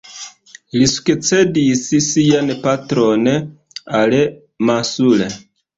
Li sukcedis sian patron, al-Mansur.